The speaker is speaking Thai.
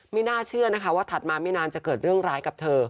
ไม่น่าเชื่อนะคะว่าถัดมาไม่นานจะเกิดเรื่องร้ายกับเธอ